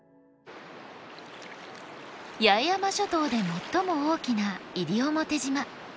八重山諸島で最も大きな西表島。